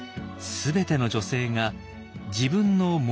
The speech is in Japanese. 全ての女性が自分の物